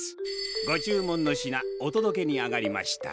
ご注文の品お届けに上がりました。